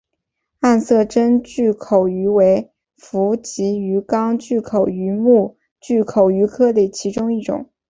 暗色真巨口鱼为辐鳍鱼纲巨口鱼目巨口鱼科的其中一种。